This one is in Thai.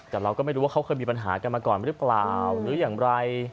แต่เราก็ไม่รู้ว่าเขาเคยมีปัญหากันมาก่อนหรือเปล่าหรืออย่างไร